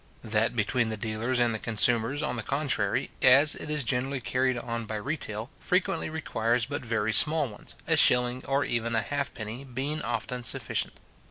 That between the dealers and the consumers, on the contrary, as it is generally carried on by retail, frequently requires but very small ones, a shilling, or even a halfpenny, being often sufficient.